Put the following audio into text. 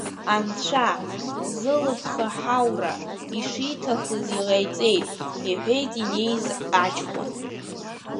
Анцәа, зылыԥха ҳаура, ишиҭахыз иҟаиҵеит, — иҳәеит инеиз аҷкәын.